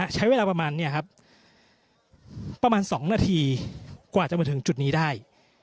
ใช้เวลาประมาณนี้ครับประมาณ๒นาทีกว่าจะมาถึงจุดนี้ได้